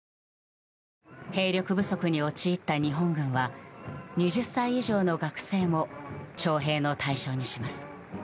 兵力不足に陥った日本軍は２０歳以上の学生も徴兵の対象にします。